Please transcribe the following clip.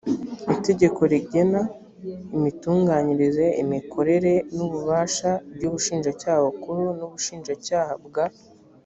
itegeko rigena imitunganyirize imikorere n ububasha by ubushinjacyaha bukuru n ubushinjacyaha bwa